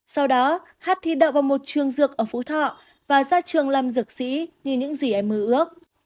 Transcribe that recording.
sau đó hát thi đậu vào một trường dược ở phú thọ và ra trường làm dược sĩ như những gì em mơ ước